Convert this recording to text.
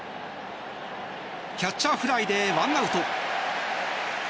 キャッチャーフライで１アウト。